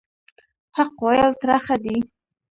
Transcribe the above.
حق ویل ترخه دي